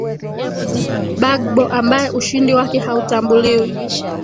bagbo ambaye ushindi wake hautambuliwi